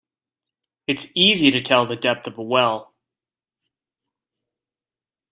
It's easy to tell the depth of a well.